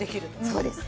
そうです。